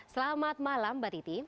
selamat malam mbak titi